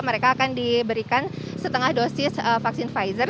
mereka akan diberikan setengah dosis vaksin pfizer